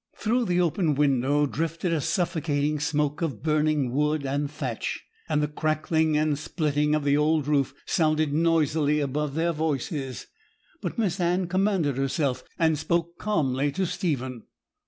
Through the open window drifted a suffocating smoke of burning wood and thatch, and the crackling and splitting of the old roof sounded noisily above their voices; but Miss Anne commanded herself, and spoke calmly to Stephen.